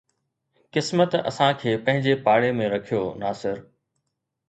قسمت اسان کي پنهنجي پاڙي ۾ رکيو ناصر